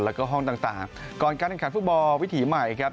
แล้วก็ห้องต่างก่อนการแข่งขันฟุตบอลวิถีใหม่ครับ